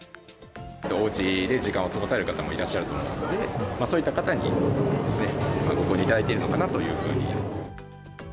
おうちで時間を過ごされる方もいらっしゃると思うので、そういった方にご購入いただいているのかなというふうに。